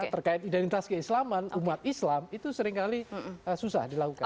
terkait identitas keislaman umat islam itu seringkali susah dilakukan